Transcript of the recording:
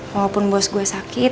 walaupun bos gue sakit